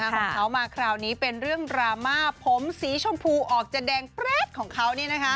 ของเขามาคราวนี้เป็นเรื่องดราม่าผมสีชมพูออกจะแดงแปรดของเขา